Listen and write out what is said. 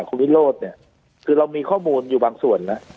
คุณวิโรธเนี่ยคือเรามีข้อมูลอยู่บางส่วนแล้ว